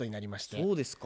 そうですか。